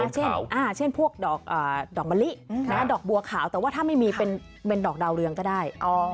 เช่นพวกดอกมะลิดอกบัวขาวแต่ว่าถ้าไม่มีเป็นดอกดาวเรืองก็ได้